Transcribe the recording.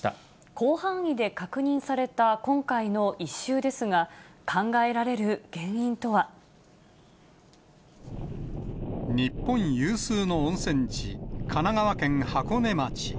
広範囲で確認された今回の異臭ですが、日本有数の温泉地、神奈川県箱根町。